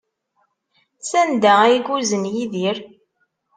Sanda ay uznen Yidir?